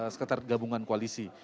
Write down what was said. sekitar gabungan koalisi